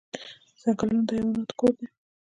ځنګلونه د حیواناتو کور دی